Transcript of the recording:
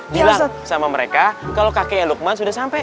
bilang sama mereka kalau kakeknya lukman sudah sampai